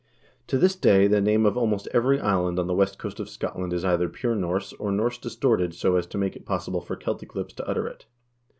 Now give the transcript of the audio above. "To this day the name of almost every island on the west coast of Scotland is either pure Norse, or Norse distorted so as to make it possible for Celtic lips to utter it.